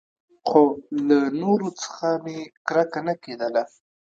خو له نورو څخه مې کرکه نه کېدله.